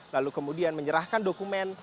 lalu kemudian menyerahkan dokumen